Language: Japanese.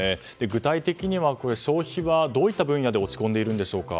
具体的には消費はどういった分野で落ち込んでいるんでしょうか。